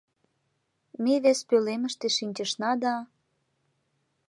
Ме вес пӧлемыште шинчышна да...